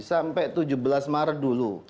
sampai tujuh belas maret dulu